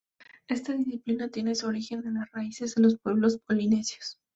Esta disciplina tiene su origen en las raíces de los pueblos polinesios.